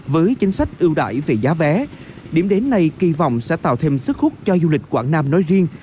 với chính sách ưu đại về giá vé điểm đến này kỳ vọng sẽ tạo thêm sức hút cho du lịch quảng nam nói riêng